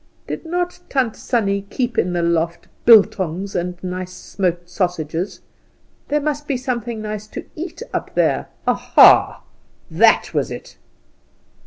Did not Tant Sannie keep in the loft bultongs, and nice smoked sausages? There must be something nice to eat up there! Aha! that was it!